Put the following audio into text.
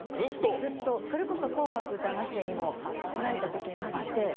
それこそ「紅白歌合戦」にも来られた時があって。